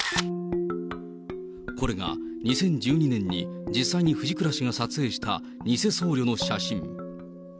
これが２０１２年に実際に藤倉氏が撮影した偽僧侶の写真。